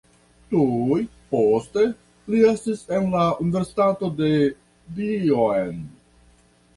Tuj poste li estis en la Universitato de Dijon.